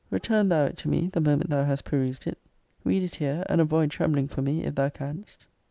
Return thou it to me the moment thou hast perused it. Read it here; and avoid trembling for me, if thou canst.